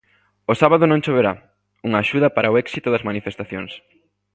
O sábado non choverá, unha axuda para o éxito das manifestacións.